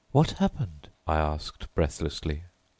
"What happened?" I asked breathlessly.